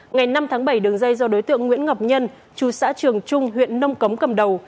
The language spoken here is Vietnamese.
ngày năm tháng bảy đường dây do đối tượng nguyễn ngọc nhân chú xã trường trung huyện nông cống cầm đầu